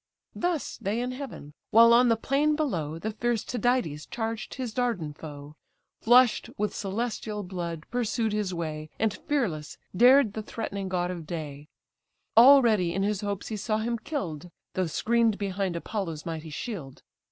Thus they in heaven: while on the plain below The fierce Tydides charged his Dardan foe, Flush'd with celestial blood pursued his way, And fearless dared the threatening god of day; Already in his hopes he saw him kill'd, Though screen'd behind Apollo's mighty shield.